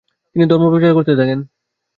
তিনি ধর্ম প্রচার করতে থাকেন।